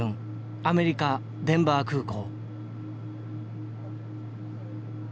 アメリカデンバー空港。